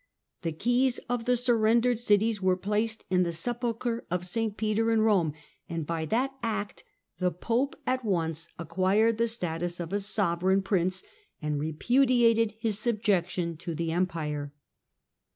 The leys of the surrendered cities were placed in the sepul chre of St. Peter in Borne, and by that act the Pope at once acquired the status of a sovereign prince and re pudiated his subjection to the Empire.